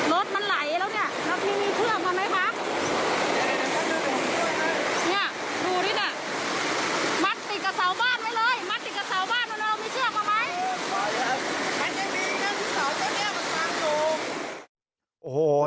โอ้ยยังมีเสาตรงนี้